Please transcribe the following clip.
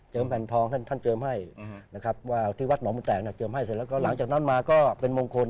แผ่นทองท่านเจิมให้นะครับว่าที่วัดหนองบุแตกเจิมให้เสร็จแล้วก็หลังจากนั้นมาก็เป็นมงคล